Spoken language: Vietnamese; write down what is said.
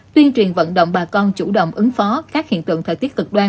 tuyên truyền vận động bà con chủ động ứng phó các hiện tượng thời tiết cực đoan